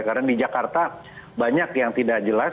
karena di jakarta banyak yang tidak jelas